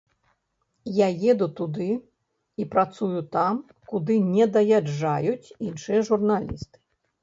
Я еду туды і працую там, куды не даязджаюць іншыя журналісты.